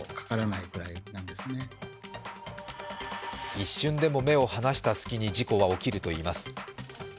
一瞬でも目を離した隙に事故は起きるといいます。